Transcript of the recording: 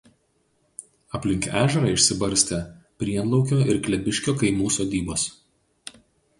Aplink ežerą išsibarstę Prienlaukio ir Klebiškio kaimų sodybos.